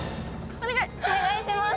お願いします！